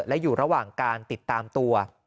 และอยู่ระหว่างการติดตามตัว